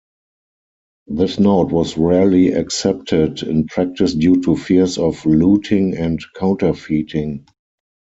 This note was rarely accepted in practice due to fears of looting and counterfeiting.